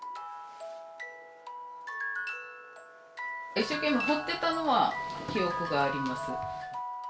一生懸命彫ってたのは記憶があります。